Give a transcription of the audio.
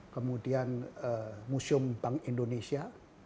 kemudian museum bank indonesia